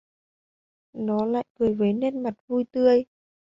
Nó lại cười với nét mặt vui tươi